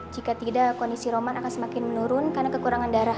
jika tidak kondisi roman akan semakin menurun karena kekurangan darah